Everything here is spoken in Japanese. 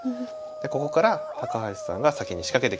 ここから橋さんが先に仕掛けてきました。